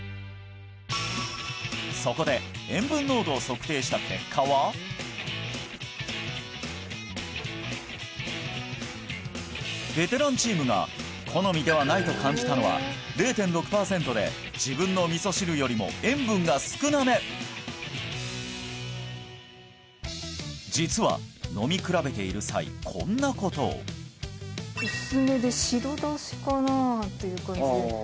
そこで塩分濃度を測定した結果はベテランチームが好みではないと感じたのは０．６パーセントで自分の味噌汁よりも塩分が少なめ実は飲み比べている際こんなことを薄めで白だしかな？っていう感じ